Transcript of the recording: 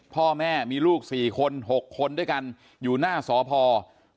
พ่อแม่มีลูกสี่คนหกคนด้วยกันอยู่หน้าสอพลลมศักดิ์